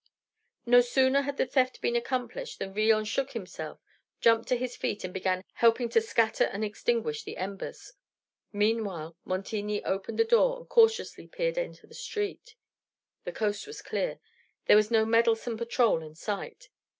No sooner had the theft been accomplished than Villon shook himself, jumped to his feet, and began helping to scatter and extinguish the embers. Meanwhile Montigny opened the door and cautiously peered into the street. The coast was clear; there was no meddlesome patrol in sight.